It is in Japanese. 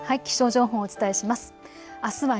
気象情報、お伝えします。